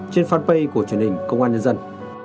trên fanpage của truyền hình công an nhân dân